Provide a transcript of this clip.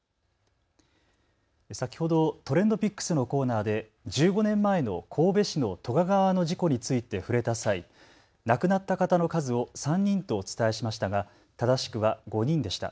先ほどＴｒｅｎｄＰｉｃｋｓのコーナーで１５年前の神戸市の都賀川の事故について触れた際、亡くなった方の数を３人とお伝えしましたが正しくは５人でした。